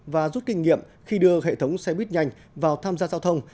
và rút kinh nghiệm khi đưa hệ thống xe buýt nhanh vào tham gia giao thông